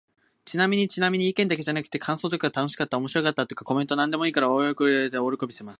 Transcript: ちなみにちなみに、意見だけじゃなくて感想とか楽しかった〜おもろかった〜とか、コメントなんでも送ってくれたら大喜びします。